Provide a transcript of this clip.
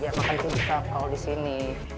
biar makan pizza kalau di sini